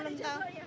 pak sandi jadinya